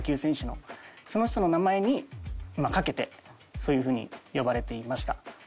その人の名前にかけてそういうふうに呼ばれていました。